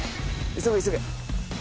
急げ急げ。